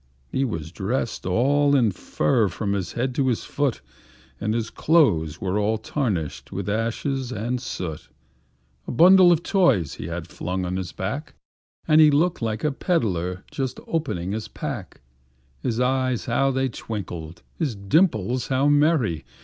He was dressed all in fur from his head to his foot, And his clothes were all tarnished with ashes and soot; A bundle of toys he had flung on his back, And he looked like a peddler just opening his pack; His eyes how they twinkled! his dimples how merry!